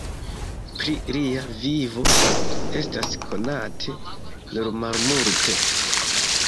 Pri lia vivo estas konate nur malmulte.